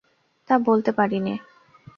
তা বলতে পারি নে।